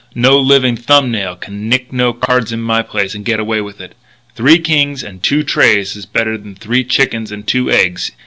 No living thumb nail can nick no cards in my place and get away with it. Three kings and two trays is better than three chickens and two eggs.